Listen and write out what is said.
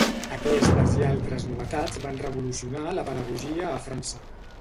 Aquestes i altres novetats van revolucionar la pedagogia a França.